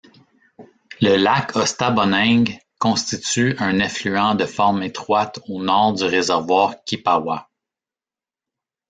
Le lac Ostaboningue constitue un effluent de forme étroite au Nord du réservoir Kipawa.